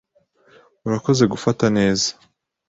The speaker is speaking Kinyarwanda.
Urakoze gufata neza .